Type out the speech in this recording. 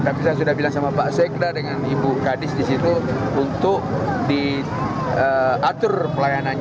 tapi saya sudah bilang sama pak sekda dengan ibu kadis di situ untuk diatur pelayanannya